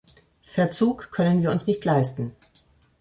Verzug können wir uns nicht leisten.